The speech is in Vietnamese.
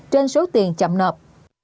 trên số tiền chậm nộp